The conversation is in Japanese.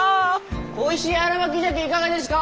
おいしい新巻鮭いかがですか！